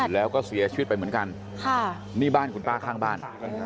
แล้วก็เสียชีวิตไปเหมือนกันนี่บ้านคุณป้าข้างบ้าน